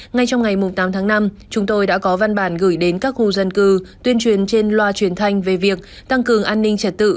ngay trong ngày tám tháng năm chúng tôi đã có văn bản gửi đến các khu dân cư tuyên truyền trên loa truyền thanh về việc tăng cường an ninh trật tự